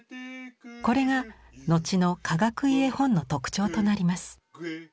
これが後のかがくい絵本の特徴となります。